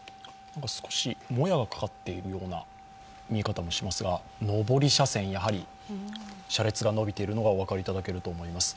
少しもやがかかっているような見え方もしますが上り車線、やはり車列がのびているのがお分かりいただけると思います。